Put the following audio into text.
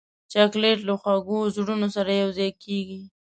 چاکلېټ له خوږو زړونو سره یوځای کېږي.